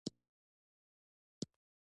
دا ډلې د هېواد په هر ګوټ کې مختلف مرکزونه لري